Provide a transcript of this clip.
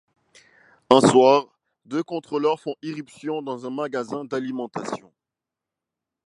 Un soir, deux contrôleurs font irruption dans un magasin d'alimentation.